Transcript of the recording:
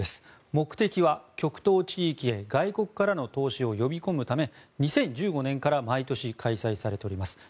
目的は極東地域へ外国からの投資を呼び込むため２０１５年から毎年開催されております。